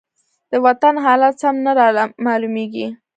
د وطن حالات سم نه رامالومېږي.